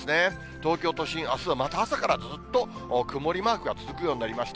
東京都心、あすはまた朝からずーっと曇りマークが続くようになりました。